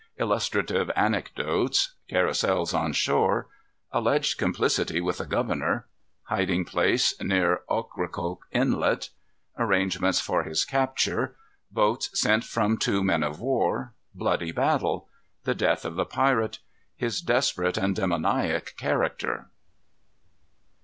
Illustrative Anecdotes. Carousals on Shore. Alleged Complicity with the Governor. Hiding place near Ocracoke Inlet. Arrangements for his Capture. Boats sent from two Men of war. Bloody Battle. The Death of the Pirate. His Desperate and Demoniac Character.